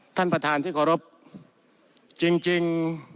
ท่านประธานที่ขอรับจริงจริง